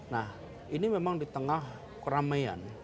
nah ini memang di tengah keramaian